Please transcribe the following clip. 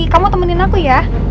kamu temenin aku ya